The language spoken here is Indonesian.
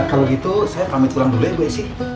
kalau gitu saya pamit ulang dulu ya isi